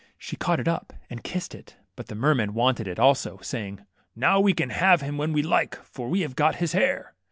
She caught it up and kissed it, but the mermen wanted it also, saying ^^Now we can have him when we like, for we have got his hair."